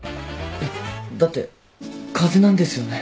いやだって風邪なんですよね？